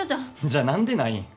じゃあ何でない？